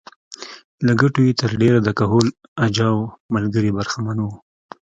له ګټو یې تر ډېره د کهول اجاو ملګري برخمن وو.